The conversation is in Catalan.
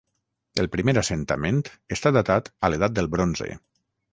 El primer assentament està datat a l'Edat del Bronze.